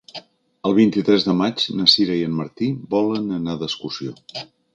El vint-i-tres de maig na Sira i en Martí volen anar d'excursió.